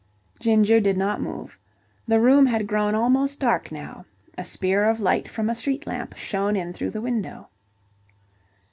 Ginger did not move. The room had grown almost dark now. A spear of light from a street lamp shone in through the window.